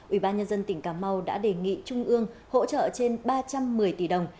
ủy ban nhân dân tỉnh cà mau đã đề nghị trung ương hỗ trợ trên ba trăm một mươi tỷ đồng